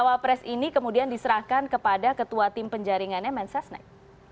cawapres ini kemudian diserahkan kepada ketua tim penjaringannya mensesnek